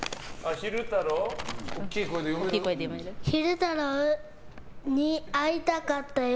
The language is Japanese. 昼太郎に会いたかったよ。